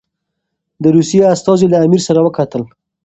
د روسیې استازي له امیر سره وکتل.